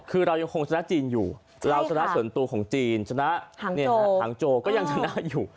คือเรายังคงชนะจีนอยู่เราชนะส่วนตัวของจีนชนะหางโจก็ยังชนะอยู่